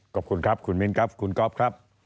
ขอบคุณครับคุณมิ้นครับคุณก๊อฟครับ